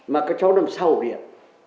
mà cái chó nằm sau hồ điện